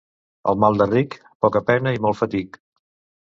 El mal de ric, poca pena i molt fatic.